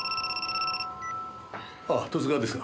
ああ十津川ですが。